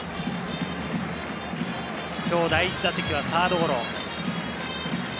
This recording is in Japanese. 今日、第１打席はサードゴロ。